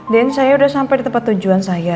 dan saya udah sampai di tempat tujuan saya